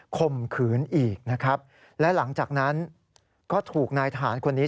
ข่มขืนอีกนะครับและหลังจากนั้นก็ถูกนายทหารคนนี้